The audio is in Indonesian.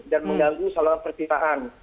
dan mengganggu saluran perpipaan